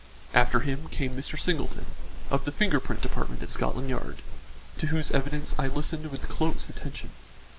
After him came Mr. Singleton, of the finger print department at Scotland Yard, to whose evidence I listened with close attention.